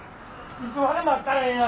いつまで待ったらええんや！